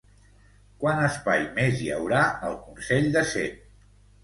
Quant espai més hi haurà al Consell de Cent?